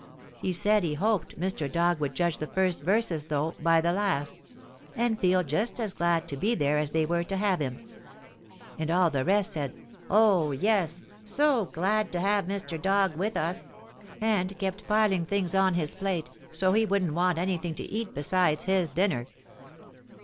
He said he hoped Mr. Dog would judge the first verses, though, by the last, and feel just as glad to be there as they were to have him. And all the rest said, "Oh, yes, so glad to have Mr. Dog with us," and kept piling things oh his plate, so he wouldn't want anything to eat besides his dinner.